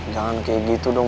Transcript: jangan kayak gitu dong